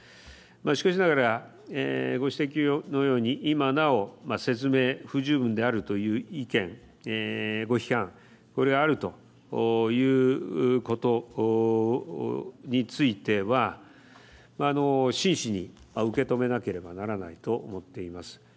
しかしながら、ご指摘のように今なお説明不十分であるという意見ご批判、これがあるということについては真摯に受け止めなければならないと思っています。